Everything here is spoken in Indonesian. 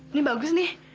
ini bagus nih